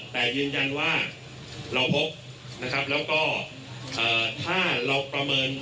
แต่ยืนยันว่าเราพบนะครับแล้วก็ถ้าเราประเมิน